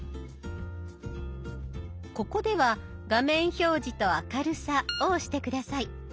ここでは「画面表示と明るさ」を押して下さい。